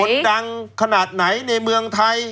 ดังขนาดไหนในเมืองไทย